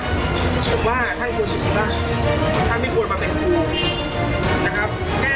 ผมว่าท่านควรถูกมากท่านไม่ควรมาเป็นผู้พี่นะครับ